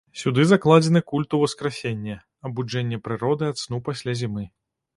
Сюды закладзены культ уваскрасення, абуджэння прыроды ад сну пасля зімы.